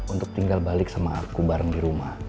untuk tinggal balik sama aku bareng di rumah